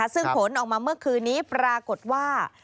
ซึ่งผลออกมาเมื่อคืนนี้ปรากฏว่า